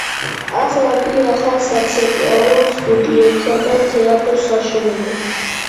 ახლა კი ახალ საცეკვაო სტუდიებსა და თეატრს ააშენებენ.